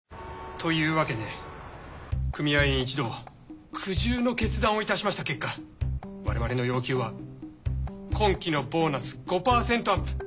というわけで組合員一同苦渋の決断をいたしました結果我々の要求は今期のボーナス５％アップ。